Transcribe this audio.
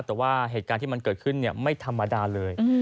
แต่ว่าเหตุการณ์ที่มันเกิดขึ้นไม่ธรรมดาเลย